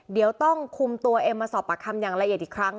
เดี๋ยวต้องคุมตัวเอ็มมาสอบปากคำอย่างละเอียดอีกครั้ง